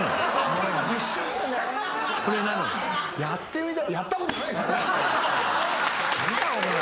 「やってみた」